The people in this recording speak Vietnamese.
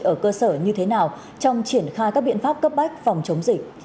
ở cơ sở như thế nào trong triển khai các biện pháp cấp bách phòng chống dịch